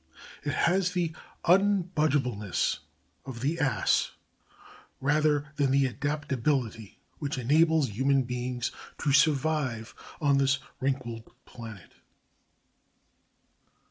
It has the unbudgeableness of the ass rather than the adaptability which enables human beings to survive on this wrinkled planet.